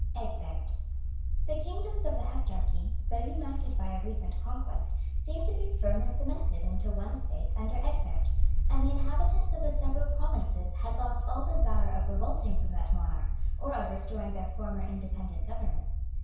EGBERT. [Sidenote: 827.] The kingdoms of the Heptarchy, though united by a recent conquest, seemed to be firmly cemented into one state under Egbert; and the inhabitants of the several provinces had lost all desire of revolting from that monarch, or of restoring their former independent governments.